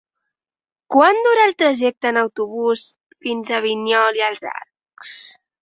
Quant dura el trajecte en autobús fins a Vinyols i els Arcs?